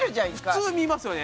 普通見ますよね。